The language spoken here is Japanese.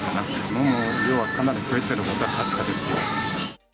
飲む量はかなり増えてるのは確かですよ。